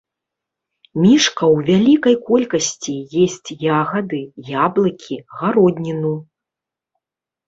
Мішка ў вялікай колькасці есць ягады, яблыкі, гародніну.